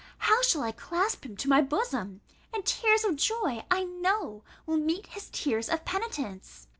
how shall I clasp him to my bosom! and tears of joy, I know, will meet his tears of penitence!